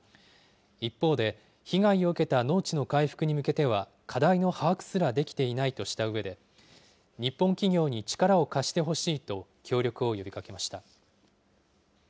一方で、被害を受けた農地の回復に向けては、課題の把握すらできていないとしたうえで、日本企業に力を貸してほしいと、協力を呼びかけました。